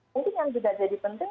mungkin yang juga jadi penting